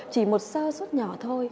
chỉ một xơ suốt nhỏ thôi